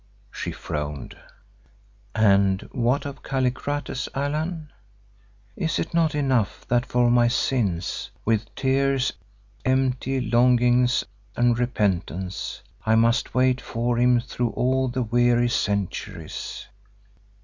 She frowned. "And what of Kallikrates, Allan? Is it not enough that for my sins, with tears, empty longings and repentance, I must wait for him through all the weary centuries?